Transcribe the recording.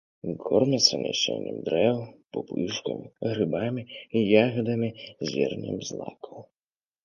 Кормяцца насеннем дрэў, пупышкамі, грыбамі, ягадамі, зернем злакаў.